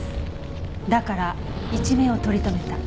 だから一命を取り留めた。